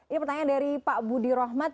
ini pertanyaan dari pak budi rohmat